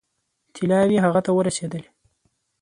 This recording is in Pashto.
طلاوې هغه ته ورسېدلې.